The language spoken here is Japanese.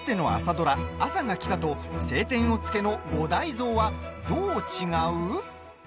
ドラ「あさが来た」と「青天を衝け」の五代像はどう違う？